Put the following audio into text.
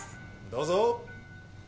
どうぞ！